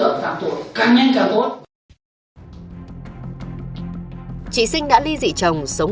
ngày thường chị sinh dùng hai chiếc điện thoại di động